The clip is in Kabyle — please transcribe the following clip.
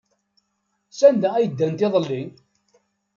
Sanda ay ddant iḍelli?